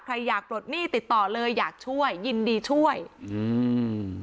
ใครอยากปลดหนี้ติดต่อเลยอยากช่วยยินดีช่วยอืม